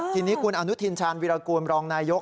ทีนี้คุณอนุทินชาญวิรากูลรองนายก